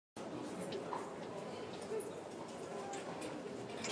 Banndu maako woondu, nde huuduure ndee hommbi law.